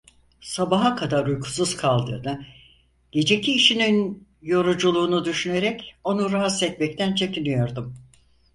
Sabaha kadar uykusuz kaldığını, geceki işinin yoruculuğunu düşünerek onu rahatsız etmekten çekiniyordum.